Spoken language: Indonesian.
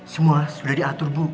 semua sudah diatur bu